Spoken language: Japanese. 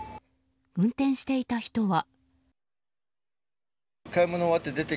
運転していた人は。